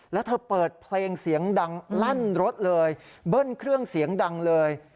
แล้วเธอเปิดเพลงเสียงดังลั่นรถเลยเบิ้ลเครื่องเสียงดังเลย